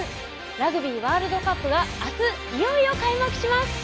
ラグビーワールドカップが明日いよいよ開幕します。